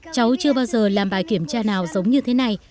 cháu chưa bao giờ làm bài kiểm tra nào giống như thế này